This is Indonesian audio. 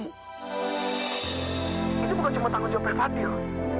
itu bukan cuma tanggung jawabnya fadil